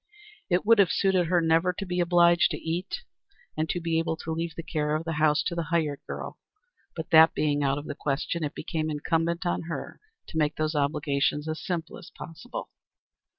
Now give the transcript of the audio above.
It would have suited her never to be obliged to eat, and to be able to leave the care of the house to the hired girl; but that being out of the question, it became incumbent on her to make those obligations as simple as possible.